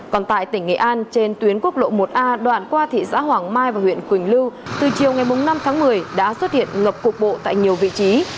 còn tại tỉnh nghệ an trên tuyến quốc lộ một a đoạn qua thị xã hoàng mai và huyện quỳnh lưu từ chiều ngày năm tháng một mươi đã xuất hiện ngập cục bộ tại nhiều vị trí